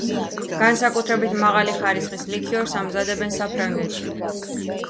განსაკუთრებით მაღალი ხარისხის ლიქიორს ამზადებდნენ საფრანგეთში.